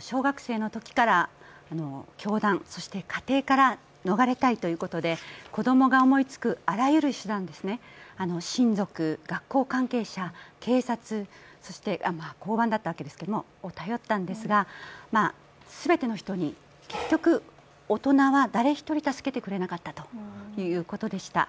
小学生のときから教団、家庭から逃れたいということで、子供が思いつく、あらゆる手段ですね、親族、学校関係者、警察、そして交番だったわけですけれども、を頼ったんですが全ての人に結局大人は誰１人助けてくれなかったということでした。